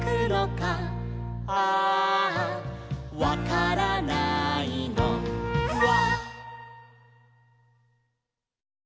「アアわからないのフワ」